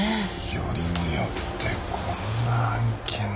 よりによってこんな案件。